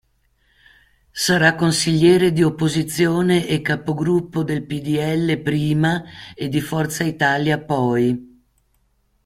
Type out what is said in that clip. Sarà consigliere di opposizione e capogruppo del PdL prima e di Forza Italia poi.